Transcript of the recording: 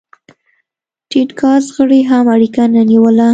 ټيټ کاست غړي هم اړیکه نه نیوله.